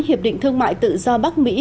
hiệp định thương mại tự do bắc mỹ